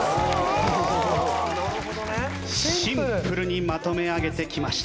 シンプルにまとめあげてきました。